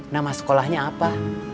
nama sekolahnya apa